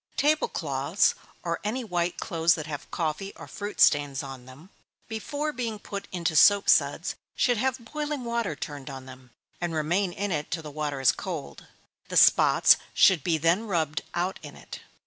_ Table cloths, or any white clothes that have coffee or fruit stains on them, before being put into soap suds, should have boiling water turned on them, and remain in it till the water is cold the spots should be then rubbed out in it.